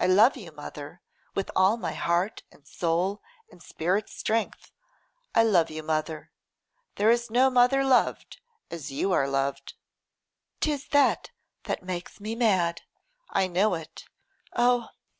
I love you, mother, with all my heart and soul and spirit's strength: I love you, mother. There is no mother loved as you are loved!' ''Tis that that makes me mad. I know it. Oh!